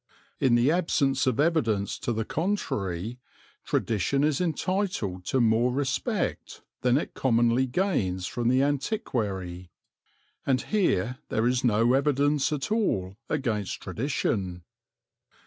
In the absence of evidence to the contrary tradition is entitled to more respect than it commonly gains from the antiquary; and here there is no evidence at all against tradition.